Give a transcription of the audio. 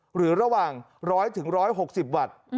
หรือระหว่าง๑๐๐๑๖๐วัตต์